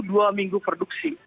dua minggu produksi